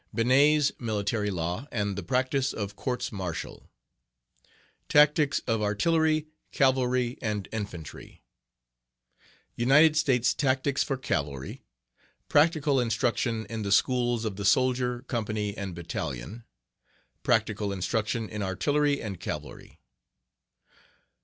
Benet's Military Law and the Practice of Courts Martial. Tactics of Artillery,.....United States Tactics for Cavalry, and Infantry Calvary. Practical Instruction in the Schools of the Soldier, Company, and Battalion. Practical Instruction in Artillery and Cavalry.